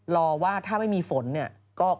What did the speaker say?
รอว่าถ้าไม่มีฝนเนี่ย